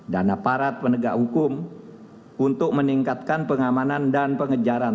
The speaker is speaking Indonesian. dan aparat penegak hukum untuk meningkatkan pengamanan dan pengejaran